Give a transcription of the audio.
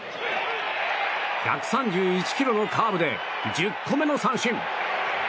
１３１キロのカーブで１０個目の三振。